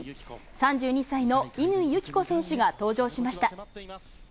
３２歳の乾友紀子選手が登場しました。